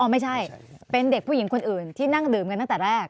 ไม่ใช่เป็นเด็กผู้หญิงคนอื่นที่นั่งดื่มกันตั้งแต่แรก